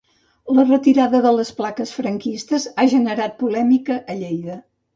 La retirada de les plaques franquistes ha generat polèmica a Lleida.